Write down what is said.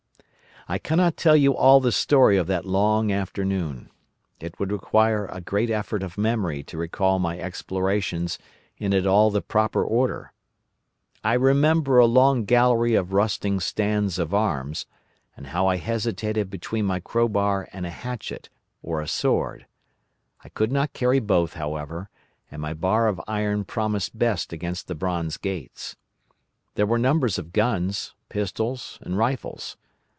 "I cannot tell you all the story of that long afternoon. It would require a great effort of memory to recall my explorations in at all the proper order. I remember a long gallery of rusting stands of arms, and how I hesitated between my crowbar and a hatchet or a sword. I could not carry both, however, and my bar of iron promised best against the bronze gates. There were numbers of guns, pistols, and rifles.